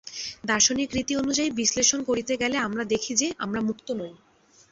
দার্শনিক রীতি অনুযায়ী বিশ্লেষণ করিতে গেলে আমরা দেখি যে, আমরা মুক্ত নই।